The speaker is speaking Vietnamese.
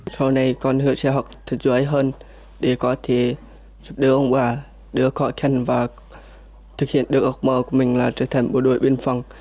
sau này con sẽ học thật dưới hơn để có thể giúp đỡ ông bà đưa khỏi khăn và thực hiện được ước mơ của mình là trở thành bộ đội biên phòng